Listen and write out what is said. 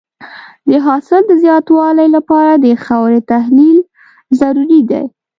د حاصل د زیاتوالي لپاره د خاورې تحلیل ضروري دی.